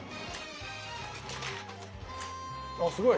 あすごい。